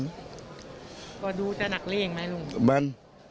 ถูก